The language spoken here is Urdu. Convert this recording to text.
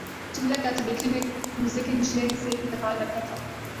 چولہا کیا تھا دیکھنے میں کوزے کے نچلے حصے کی طرح لگتا تھا